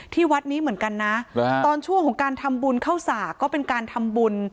ที่วัดนี้เหมือนกันนะตอนช่วงของการทำบุญเข้าสากก็เป็นการทำบุญ